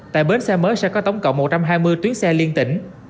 tại bến xe mới sẽ có tổng cộng một trăm hai mươi tuyến xe liên tỉnh